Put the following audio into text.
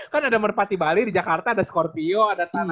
kan ada merpati bali di jakarta ada scorpio ada tanabo